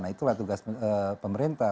nah itulah tugas pemerintah